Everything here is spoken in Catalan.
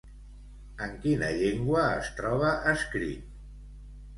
En quina llengua es troba escrit?